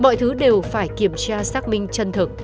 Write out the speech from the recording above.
mọi thứ đều phải kiểm tra xác minh chân thực